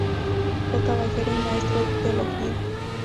Fue caballero y maestro en Teología.